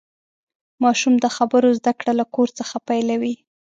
ماشوم د خبرو زدهکړه له کور څخه پیلوي.